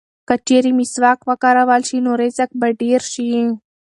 که چېرې مسواک وکارول شي نو رزق به ډېر شي.